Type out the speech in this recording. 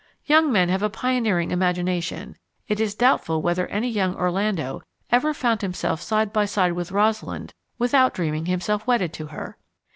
Young men have a pioneering imagination: it is doubtful whether any young Orlando ever found himself side by side with Rosalind without dreaming himself wedded to her.